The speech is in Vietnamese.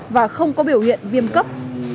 và không có biểu hiện viêm cấp